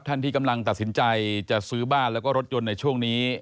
ท่านที่กำลังตัดสินใจจะซื้อบ้านแล้วก็รถยนต์ในช่วงนี้